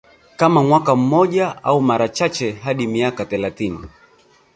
Kama mwaka mmoja au mara chache hadi miaka thelathini